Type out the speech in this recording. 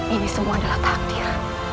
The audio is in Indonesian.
ini semua adalah takdir